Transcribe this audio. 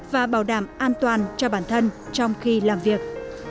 và bảo đảm an toàn cho bản thân trong khi làm việc